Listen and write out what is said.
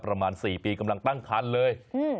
ประมาณ๔ปีกำลังตั้งคันเลย